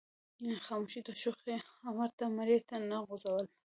خاموش د شوخۍ امر ته مرۍ نه غځوله.